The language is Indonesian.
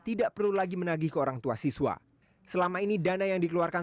tidak perlu lagi menagih ke orang tua siswa selama ini dana yang dikeluarkan